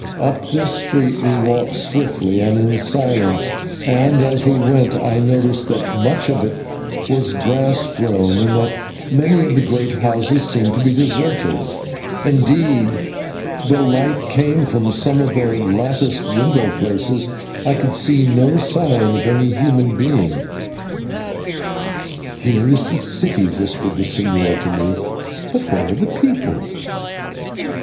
Up this street we walked swiftly and in silence, and as we went I noticed that much of it was grass grown, and that many of the great houses seemed to be deserted; indeed, though light came from some of the latticed window places, I could see no sign of any human being. "Here is the city," whispered the señor to me, "but where are the people?"